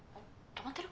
止まってる？